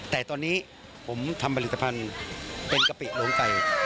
แต่ตอนนี้ผมทำผลิตภัณฑ์เป็นกะปิหลวงไก่